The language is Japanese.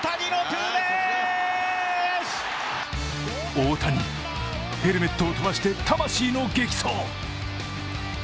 大谷、ヘルメットを飛ばして魂の激走。